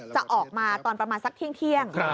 จะออกมาตอนประมาณสักเที่ยง